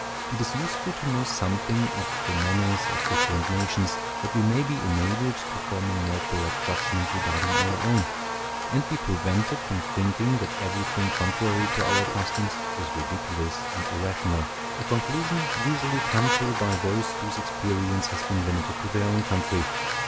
It is useful to know something of the manners of different nations, that we may be enabled to form a more correct judgment regarding our own, and be prevented from thinking that everything contrary to our customs is ridiculous and irrational, a conclusion usually come to by those whose experience has been limited to their own country.